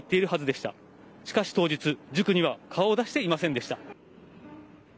しかし当日、塾には顔を出していませんでした。